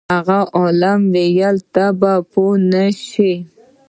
هغه عالم وویل ته بیا پوه نه شوې.